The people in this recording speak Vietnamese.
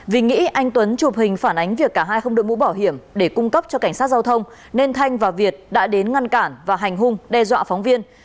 vì nghĩ anh tuấn chụp hình phản ánh việc cả hai không đội mũ bảo hiểm để cung cấp cho cảnh sát giao thông nên thanh và việt đã đến ngăn cản và hành hung đe dọa phóng viên